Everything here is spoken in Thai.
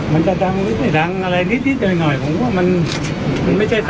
มันจะดังนิดหน่อยดังอะไรนิดนิดหน่อยหน่อยผมว่ามันมันไม่ใช่สาระ